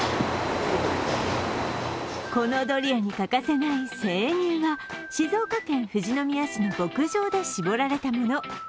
このドリアに欠かせない生乳は静岡県富士宮市の牧場で搾られたもの。